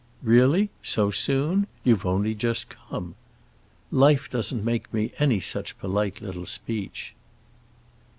'Really—so soon? You've only just come!' Life doesn't make me any such polite little speech."